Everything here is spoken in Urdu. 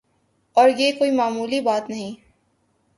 اور یہ کوئی معمولی بات نہیں۔